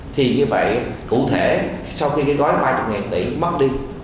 thì như vậy cụ thể sau khi cái gói ba mươi tỷ mất đi